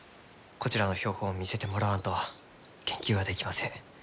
こちらの標本を見せてもらわんと研究はできません。